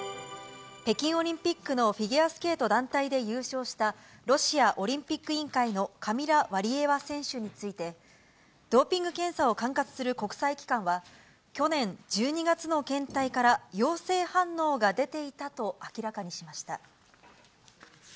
北京オリンピックのフィギュアスケート団体で優勝した、ロシアオリンピック委員会のカミラ・ワリエワ選手について、ドーピング検査を管轄する国際機関は、去年１２月の検体から陽性反応が出ていたと明らかにしました。